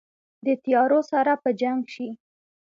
د تیارو سره په جنګ شي